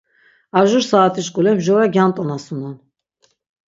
Ar jur saatiş k̆ule mjora gyant̆onasunon.